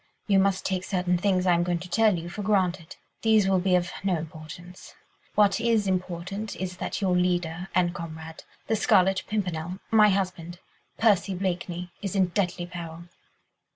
You must take certain things I am going to tell you for granted. These will be of no importance. What is important is that your leader and comrade, the Scarlet Pimpernel ... my husband ... Percy Blakeney ... is in deadly peril."